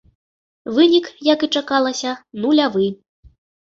Вынік, як і чакалася, нулявы.